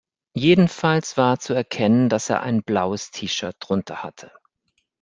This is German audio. Jedenfalls war zu erkennen, dass er ein blaues T-Shirt drunter hatte.